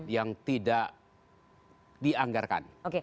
yang tidak dianggarkan